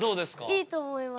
いいと思います。